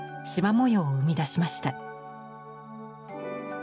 模様を生み出しました。